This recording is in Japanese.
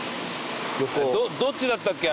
どっちだったっけ？